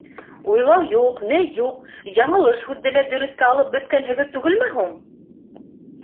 Уйлау юҡ, ни юҡ, яңылыш һүҙҙе лә дөрөҫкә алып бөткәнһегеҙ түгелме һуң?..